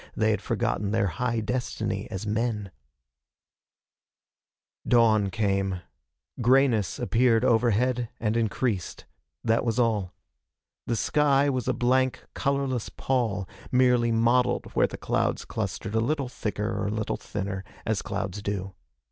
They had forgotten their high destiny as men. Dawn came. Grayness appeared overhead and increased. That was all. The sky was a blank, colorless pall, merely mottled where the clouds clustered a little thicker or a little thinner, as clouds do.